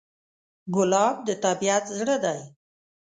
ګلاب د طبیعت زړه دی.